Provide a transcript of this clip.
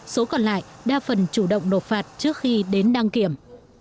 số còn lại đa phần chủ động nộp phạt trước khi đến đăng kiểm